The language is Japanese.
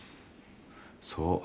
そう。